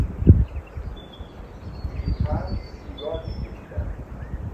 بیحرف سیگار میکشیدند.